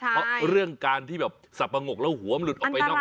เพราะเรื่องการที่แบบสับปะงกแล้วหัวมันหลุดออกไปนอก